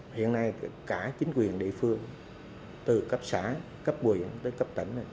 hiện nay cả chính quyền địa phương từ cấp xã cấp quyền tới cấp tỉnh